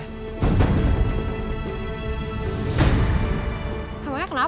kamu gak usah deket deket sama chandra ya